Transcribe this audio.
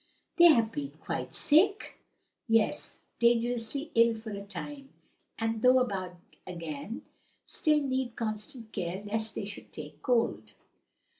"They have been quite sick?" "Yes, were dangerously ill for a time, and though about again, still need constant care lest they should take cold."